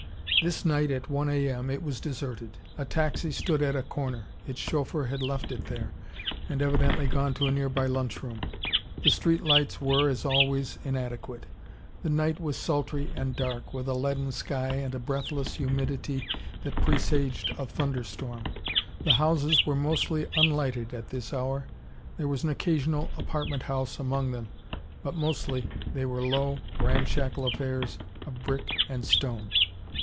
This night at 1 A. M. it was deserted. A taxi stood at a corner; its chauffeur had left it there, and evidently gone to a nearby lunch room. The street lights were, as always, inadequate. The night was sultry and dark, with a leaden sky and a breathless humidity that presaged a thunder storm. The houses were mostly unlighted at this hour. There was an occasional apartment house among them, but mostly they were low, ramshackle affairs of brick and stone.